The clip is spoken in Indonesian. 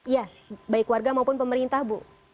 ya baik warga maupun pemerintah bu